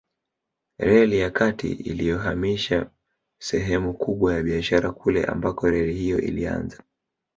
Reli ya kati iliyohamisha sehemu kubwa ya biashara kule ambako reli hiyo ilianza